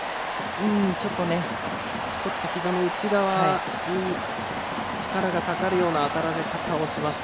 ひざの内側に力が、かかるような当たられ方をしました。